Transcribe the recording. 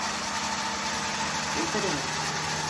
Ултырығыҙ.